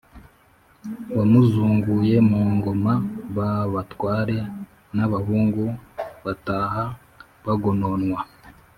wamuzunguye mu ngoma, ba batware n' abahungu bataha bagononwa